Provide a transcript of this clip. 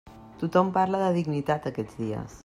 Tothom parla de dignitat, aquests dies.